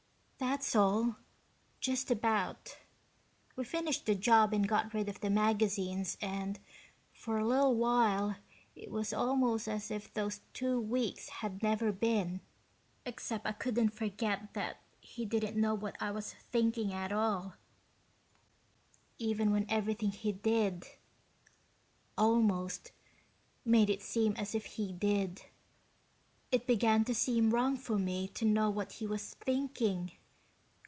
"That's all, just about. We finished the job and got rid of the magazines and for a little while it was almost as if those two weeks had never been, except I couldn't forget that he didn't know what I was thinking at all, even when everything he did, almost, made it seem as if he did. It began to seem wrong for me to know what he was thinking.